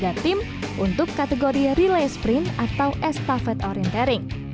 dari dua puluh tiga tim untuk kategori relay sprint atau estafet orientering